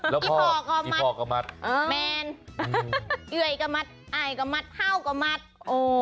แล้วพ่อก็มัดแมนเอ๋ยก็มัดไอก็มัดฮาวก็มัดโอ้